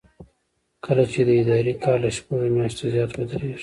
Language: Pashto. کله چې د ادارې کار له شپږو میاشتو زیات ودریږي.